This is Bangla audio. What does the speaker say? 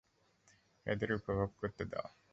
ওদের উপভোগ করতে দাও।